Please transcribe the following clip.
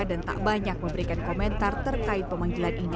dan tak banyak memberikan komentar terkait pemanggilan ini